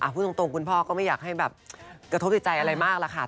พูดตรงคุณพ่อก็ไม่อยากให้แบบกระทบในใจอะไรมากล่ะค่ะ